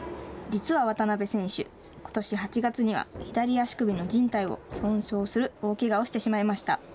実は渡部選手ことし８月には左足首のじん帯を損傷する大けがをしてしまいました。